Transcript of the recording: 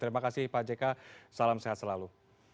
terima kasih pak jk salam sehat selalu